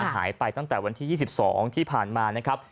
หายไปตั้งแต่วันที่๒๒ที่ผ่านมานะครับ